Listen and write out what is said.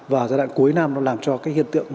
và giai đoạn cuối năm nó làm cho cái hiện tượng